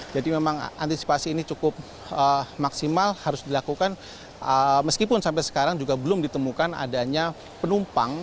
jadi memang antisipasi ini cukup maksimal harus dilakukan meskipun sampai sekarang juga belum ditemukan adanya penumpang